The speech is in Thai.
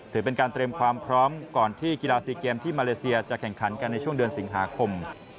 ถือเป็นการเตรียมความพร้อมก่อนที่กีฬาซีเกมที่มาเลเซียจะแข่งขันกันในช่วงเดือนสิงหาคม